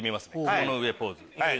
雲の上ポーズ。